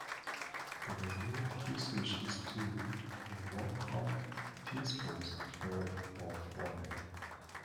The recommended usage is two and one-half teaspoons per of water.